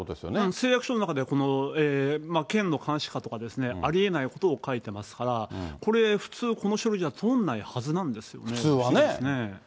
誓約書の中では、県の監視下とかありえないことを書いてますから、これ、普通、この書類じゃ通らないはずなんですよね、不思議ですね。